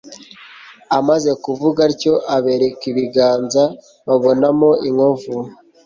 amaze kuvuga atyo abereka ibiganza babonamo inkovu